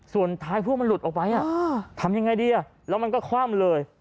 ส่วนท้ายพวกมันหลุดออกไปทำยังไงดีแล้วมันก็คว่ำเลย